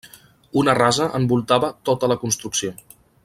Una rasa envoltava tota la construcció.